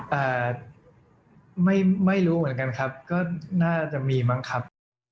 แต่ไม่รู้เหมือนกันครับก็น่าจะมีมั้งครับ